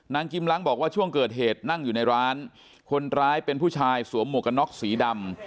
กิมล้างบอกว่าช่วงเกิดเหตุนั่งอยู่ในร้านคนร้ายเป็นผู้ชายสวมหมวกกันน็อกสีดำ